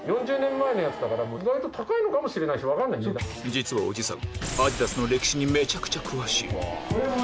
実はおじさん